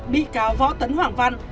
bị cáo võ tấn hoàng văn